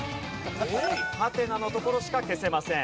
ハテナの所しか消せません。